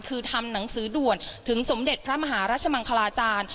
คือทำหนังสือด่วนถึงสมเด็จพระมหารัชมังคลาจารย์